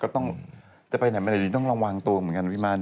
แต่ไปไหนมันอาจจะต้องระวังตัวเหมือนกันนะวิมาน